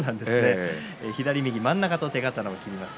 左、右、真ん中と手刀を切ります。